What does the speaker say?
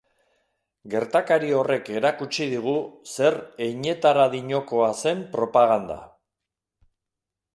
Gertakari horrek erakutsi digu zer heinetaradinokoa zen propaganda.